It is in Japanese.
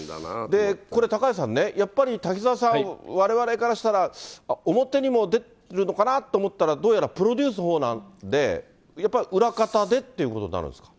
これ、高橋さんね、やっぱり滝沢さん、われわれからしたら、表にも出るのかなと思ったら、どうやらプロデュースのほうなんで、やっぱり裏方でっていうことになるんですか。